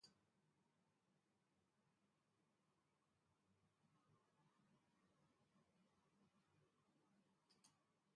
Fue empleado principalmente en tamaños alto, tenor y bajo.